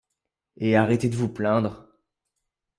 Et arrêtez de vous plaindre.